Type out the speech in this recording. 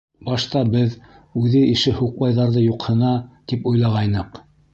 Башта беҙ, үҙе ише һуҡбайҙарҙы юҡһына, тип уйлағайныҡ.